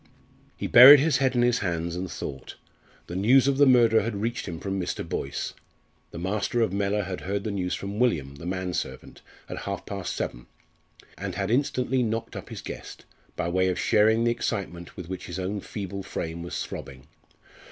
He buried his head in his hands and thought. The news of the murder had reached him from Mr. Boyce. The master of Mellor had heard the news from William, the man servant, at half past seven, and had instantly knocked up his guest, by way of sharing the excitement with which his own feeble frame was throbbing.